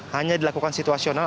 hanya dilakukan situasional